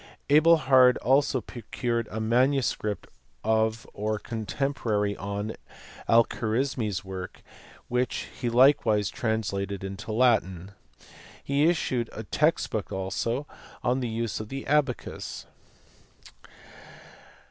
Adelhard also procured a manu script of or commentary on Alkarismi s work, which he like wise translated into Latin. He also issued a text book on the use of the abacus.